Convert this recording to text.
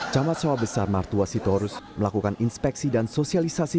camat sawabesar martua sitorus melakukan inspeksi dan sosialisasi